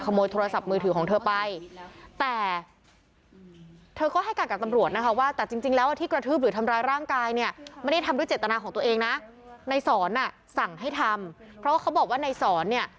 คนที่ถูกเจอคนที่ถูกเจอคนที่ถูกเจอคนที่ถูกเจอคนที่ถูกเจอคนที่ถูกเจอคนที่ถูกเจอ